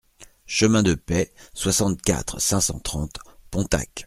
Chemin de Pey, soixante-quatre, cinq cent trente Pontacq